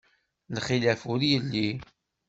Lxilaf ur yelli.